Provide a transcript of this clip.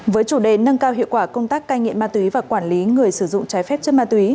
với chủ đề nâng cao hiệu quả công tác cai nghiện ma túy và quản lý người sử dụng trái phép chất ma túy